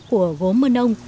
của gốm mân âu